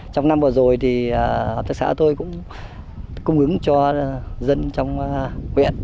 trong năm vừa rồi thì hợp tác xã tôi cũng cung ứng cho dân trong huyện